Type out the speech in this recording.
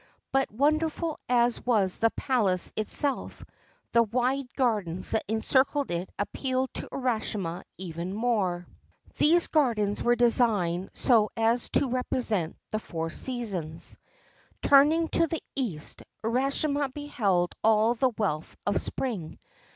But, wonderful as was the palace itself, the wide gardens that encircled it appealed to Urashima even more. URASHIMA TARO These gardens were designed so as to represent the four seasons. Turning to the east, Urashima beheld all the wealth of Spring.